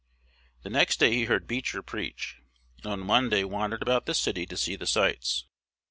The next day he heard Beecher preach, and on Monday wandered about the city to see the sights.